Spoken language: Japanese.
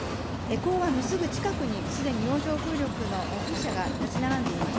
港湾のすぐ近くにすでに洋上風力の風車が建ち並んでいます。